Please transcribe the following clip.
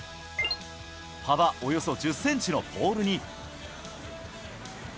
幅およそ１０センチのポールに。